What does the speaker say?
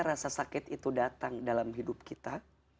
rasa sakit itu datang dalam hidup kita